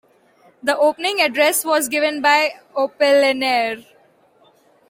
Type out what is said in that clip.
The opening address was given by Apollinaire.